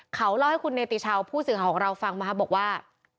เขาเล่าให้คุณเนติเชาผู้สื่อของเราฟังมาบอกว่า